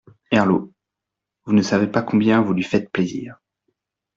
Herlaut. — Vous ne savez pas combien vous lui faites plaisir.